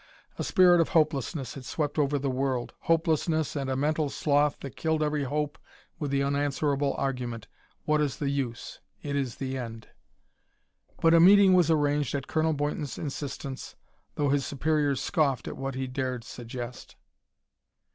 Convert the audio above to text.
A spirit of hopelessness had swept over the world hopelessness and a mental sloth that killed every hope with the unanswerable argument: "What is the use? It is the end." But a meeting was arranged at Colonel Boynton's insistence, though his superiors scoffed at what he dared suggest.